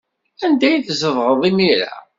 Anda ay tzedɣeḍ imir-a?